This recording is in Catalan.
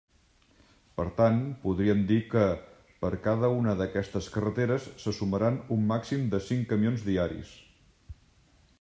Per tant, podríem dir que, per cada una d'aquestes carreteres se sumaran un màxim de cinc camions diaris.